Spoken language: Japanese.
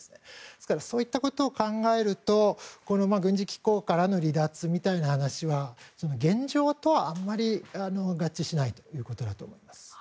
ですからそういったことを考えると軍事機構からの離脱みたいな話は現状とはあまり合致しないということだと思います。